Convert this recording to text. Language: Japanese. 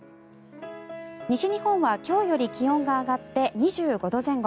西日本は今日より気温が上がって２５度前後。